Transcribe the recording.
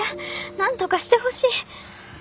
何とかしてほしい。